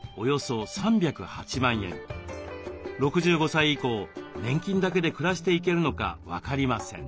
６５歳以降年金だけで暮らしていけるのか分かりません。